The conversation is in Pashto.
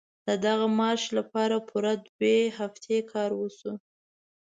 د دغه مارش لپاره پوره دوه هفتې کار وشو.